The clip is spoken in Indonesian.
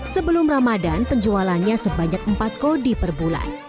sebelum ramadan penjualannya sebanyak empat kodi per bulan